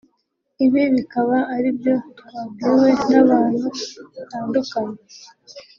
Ibi bikaba ari byo twabwiwe n’abantu batandukanye